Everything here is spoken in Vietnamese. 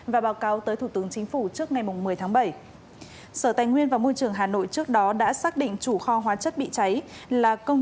và báo cáo tới thủ tướng chính phủ trước ngày một mươi tháng bảy